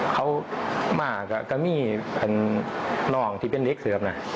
เขามาก็มีหนองที่เป็นเล็กเสือบน่ะ